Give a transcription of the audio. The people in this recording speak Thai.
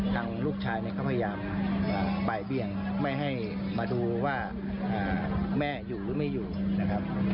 ทั้งลูกชายเขาพยายามไปเบียงไม่ให้มาดูว่าแม่อยู่หรือไม่อยู่นะครับ